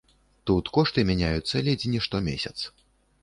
Тут кошты мяняюцца ледзь не штомесяц.